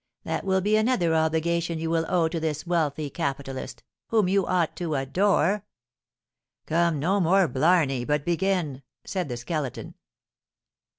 That will be another obligation you will owe to this wealthy capitalist, whom you ought to adore." "Come, no more blarney, but begin!" said the Skeleton.